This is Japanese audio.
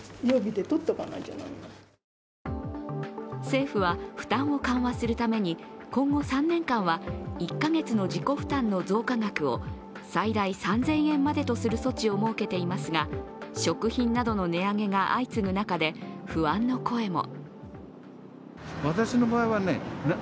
政府は、負担を緩和するために今後３年間は１か月の自己負担の増加額を最大３０００円までとする措置を設けていますが食品などの値上げが相次ぐ中で、不安の声も。